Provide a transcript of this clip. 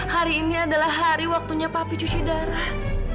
hari ini adalah hari waktunya papi cuci darah